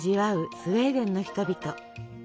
スウェーデンの人々。